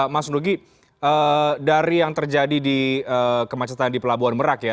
mas nugi dari yang terjadi di kemacetan di pelabuhan merak ya